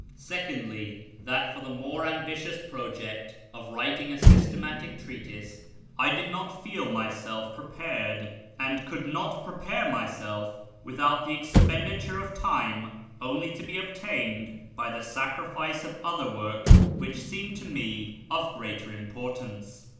Secondly, that for the more ambitious project of writing a systematic treatise I did not feel myself prepared and could not prepare myself without the expenditure of time only to be obtained by the sacrifice of other work which seemed to me of greater importance.